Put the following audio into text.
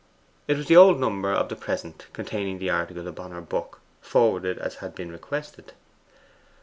It was the old number of the PRESENT, containing the article upon her book, forwarded as had been requested.